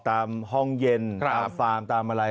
ตามห้องเย็นตามฟาร์มตามอะไร